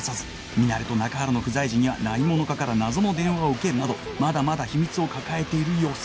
ミナレと中原の不在時には何者かから謎の電話を受けるなどまだまだ秘密を抱えている様子